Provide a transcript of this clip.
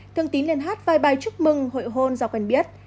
thương tín lên hát vài bài chúc mừng hội hôn do quen biết